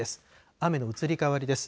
雨の移り変わりです。